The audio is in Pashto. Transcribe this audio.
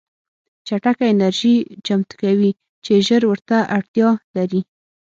چټکه انرژي چمتو کوي چې ژر ورته اړتیا لري